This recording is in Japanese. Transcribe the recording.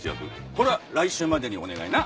これは来週までにお願いな。